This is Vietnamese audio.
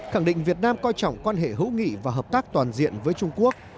khẳng định việt nam coi trọng quan hệ hữu nghị và hợp tác toàn diện với trung quốc